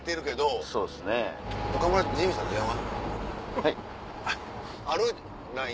はい？